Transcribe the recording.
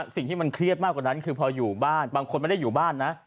สิ่งที่มันเครียดมากกว่านั้นคือพออยู่บ้านบางคนไม่ได้อยู่บ้านนะ